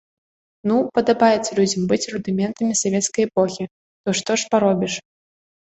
Ну, падабаецца людзям быць рудыментамі савецкай эпохі, то што ж паробіш?